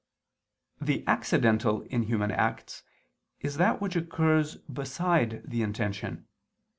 The accidental in human acts is that which occurs beside the intention.